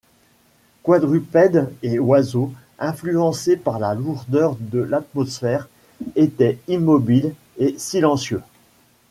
Quadrupèdes et oiseaux, influencés par la lourdeur de l’atmosphère, étaient immobiles et silencieux.